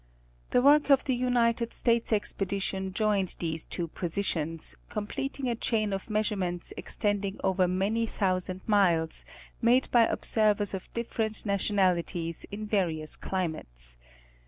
The work of the United States Expedition joimed these two positions, completing a chain of measurements extending over many thousand miles, made by observers of different nationalities in various climates.